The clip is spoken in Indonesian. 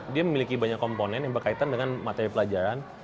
dia memiliki banyak komponen yang berkaitan dengan materi pelajaran